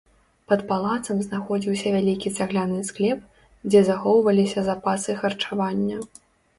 Пад палацам знаходзіўся вялікі цагляны склеп, дзе захоўваліся запасы харчавання.